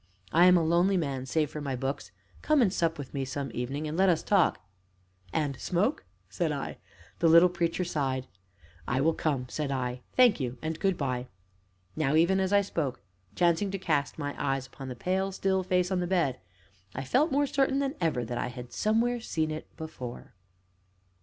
I am a lonely man save for my books; come and sup with me some evening, and let us talk " "And smoke?" said I. The little Preacher sighed. "I will come," said I; "thank you! and good by!" Now, even as I spoke, chancing to cast my eyes upon the pale, still face on the bed, I felt more certain than ever that I had somewhere seen it before.